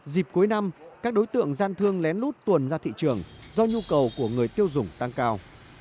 dịp cuối năm các đối tượng gian thương lén lút tuồn ra thị trường do nhu cầu của người tiêu dùng tăng cao